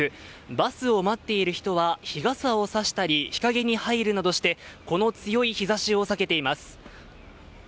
バスを待っている人は日傘を差したり、日陰に入るなどして、この強い日ざしを避けています。